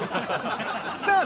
さあ